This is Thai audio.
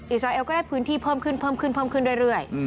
อิสราเอลก็ได้พื้นที่เพิ่มขึ้นเรื่อย